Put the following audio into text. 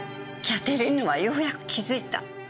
キャテリーヌはようやく気付いた。